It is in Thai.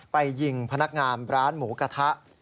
ยิงพนักงานร้านหมูกระทะ